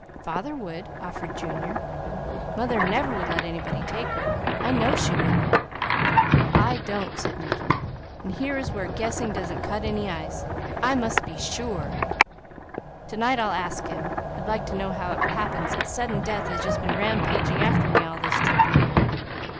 "Father would," offered Junior. "Mother never would let anybody take her. I know she wouldn't." "Well I don't," said Mickey, "and here is where guessing doesn't cut any ice. I must be sure. To night I'll ask him. I'd like to know how it happens that sudden death has just been rampaging after me all this trip, anyway.